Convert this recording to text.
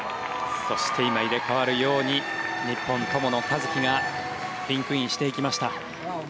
そして今入れ替わるように日本、友野一希がリンクインしていきました。